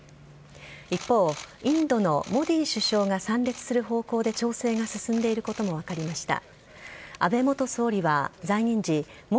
一方、インドのモディ首相が参列する方向で調整が進んでいることも分かりました。